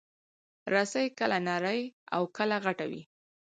رسۍ کله نرۍ او کله غټه وي.